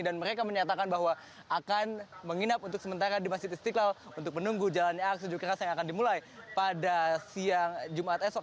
dan mereka menyatakan bahwa akan menginap untuk sementara di masjid istiqlal untuk menunggu jalannya aksi jukeras yang akan dimulai pada siang jumat esok